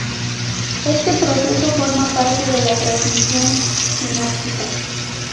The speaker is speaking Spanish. Este proceso forma parte de la transmisión sináptica.